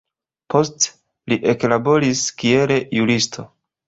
Poste li eklaboris kiel juristo.